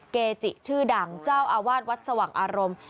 เกจิชื่อดังเจ้าอาวาสวัดสว่างอารมณ์